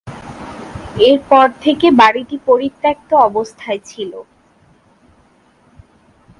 এরপর থেকে বাড়িটি পরিত্যক্ত অবস্থায় ছিল।